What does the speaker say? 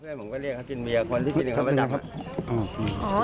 เพื่อนผมก็เรียกเขากินเบียร์คนที่กินก็มาจับมา